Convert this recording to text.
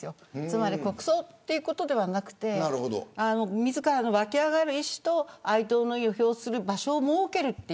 つまり国葬ということではなくて自らの湧き上がる意思と哀悼の意を表する場所を設ける。